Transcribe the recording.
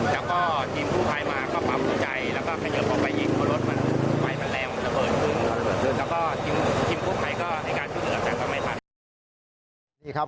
แล้วก็จิมภู๙๐ไฟในการไม่พัด